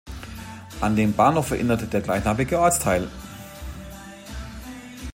An den Bahnhof erinnert der gleichnamige Ortsteil.